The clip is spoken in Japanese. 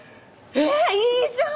えいいじゃん！